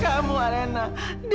kamu masih bekerja comma